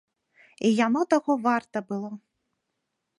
І яно таго варта было.